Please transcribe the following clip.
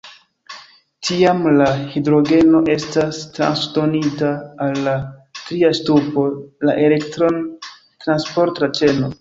Tiam la hidrogeno estas transdonita al la tria ŝtupo, la elektron-transporta ĉeno.